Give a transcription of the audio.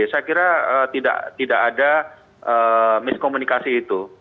saya kira tidak ada miskomunikasi itu